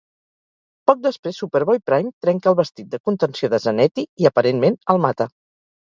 Poc després, Superboy-Prime trenca el vestit de contenció de Zanetti i, aparentment, el mata.